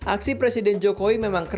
aksi presiden jokowi memang kerap